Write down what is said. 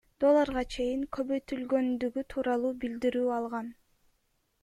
долларга чейин көбөйтүлгөндүгү тууралуу билдирүү алган.